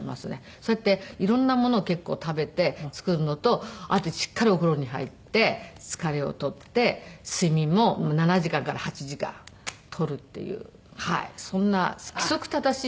そうやって色んなものを結構食べて作るのとあとしっかりお風呂に入って疲れを取って睡眠も７時間から８時間取るっていうそんな規則正しい生活です。